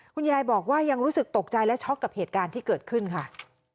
คุณยายบอกว่ายังรู้สึกตกใจและช็อกกับเหตุการณ์ที่เกิดขึ้นค่ะ